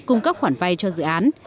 cung cấp khoản vay cho dự án